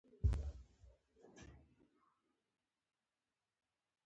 د بهلول د ډېر تاکید او ډېرې غوښتنې نه وروسته.